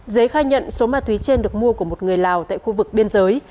giấy khai nhận số ma túy trên được mua của một người lào tại khu vực biên giới